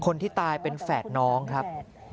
คนที่ตายเป็นแฝดน้องครับ